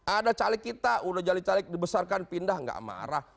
ada caleg kita udah jadi caleg dibesarkan pindah gak marah